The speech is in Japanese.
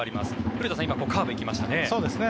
古田さん、今カーブ行きましたね。